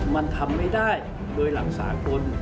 มันทำไม่ได้โดยหลักสากล